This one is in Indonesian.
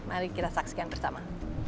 mari kita saksikan bersama